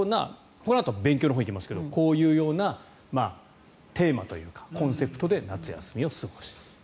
このあと、勉強に行きますがこういうテーマというかコンセプトで夏休みを過ごしたと。